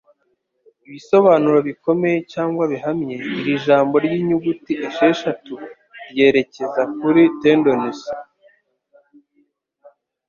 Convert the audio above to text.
Ibisobanuro bikomeye cyangwa bihamye, iri jambo ry'inyuguti esheshatu ryerekeza kuri tendons